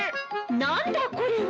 なんだこれは！